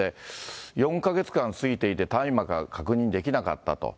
４か月間過ぎていて、大麻か確認できなかったと。